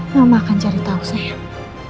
mama akan cari tahu sayang